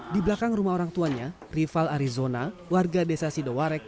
di belakang rumah orang tuanya rival arizona warga desa sidoarek